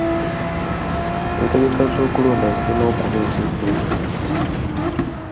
Entegeka z'okulonda zirina kuba za ddembe.